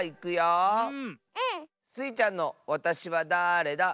うん。スイちゃんの「わたしはだれだ？」。